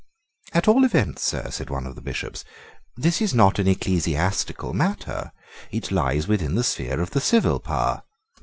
"At all events, sir," said one of the Bishops, "this is not an ecclesiastical matter. It lies within the sphere of the civil power.